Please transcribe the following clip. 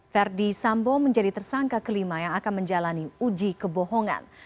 verdi sambo menjadi tersangka kelima yang akan menjalani uji kebohongan